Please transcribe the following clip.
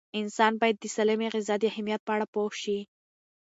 انسان باید د سالمې غذا د اهمیت په اړه پوه شي.